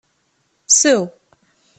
Sew!